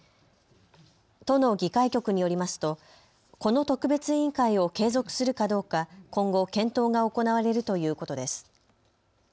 都の議会局によりますとこの特別委員会を継続するかどうか今後、検討が行われるということです。